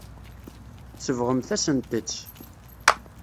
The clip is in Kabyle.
Tsebɣem-asent-tt.